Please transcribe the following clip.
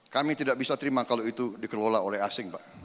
kami tidak bisa terima kalau itu dikelola oleh asing pak